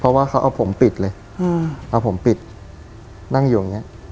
เพราะว่าเขาเอาผมปิดเลยเอาผมปิดนั่งอยู่อย่างเงี้ย